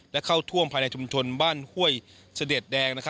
และเข้าท่วมภายในชุมชนบ้านห้วยเสด็จแดง